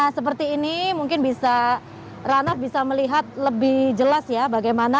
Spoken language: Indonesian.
seperti ini mungkin bisa ranah bisa melihat lebih jelas ya bagaimana